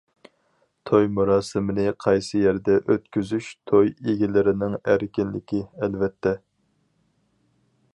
توي مۇراسىمىنى قايسى يەردە ئۆتكۈزۈش توي ئىگىلىرىنىڭ ئەركىنلىكى ئەلۋەتتە.